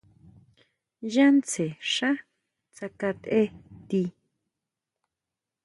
Yá tsjen xá tsakate tii.